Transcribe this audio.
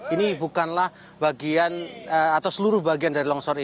ini bukanlah bagian atau seluruh bagian dari longsor